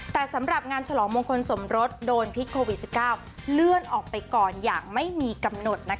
แต่สำหรับงานฉลองมงคลสมรสโดนพิษโควิด๑๙เลื่อนออกไปก่อนอย่างไม่มีกำหนด